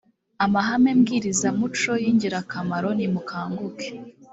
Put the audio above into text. amahame mbwirizamuco y ingirakamaro nimukanguke